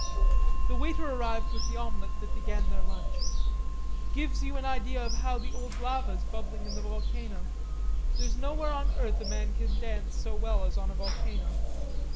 The waiter arrived with the omelette that began their lunch. "Gives you an idea of how the old lava's bubbling in the volcano. There's nowhere on earth a man can dance so well as on a volcano."